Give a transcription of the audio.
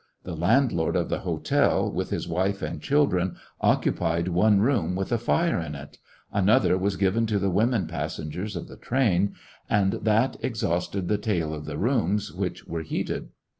The landlord of the hotel, with his wife and children, occupied one room with a fire in it 5 another was given to the women passengers of the train ; and that exhausted the tale of the rooms which were heated.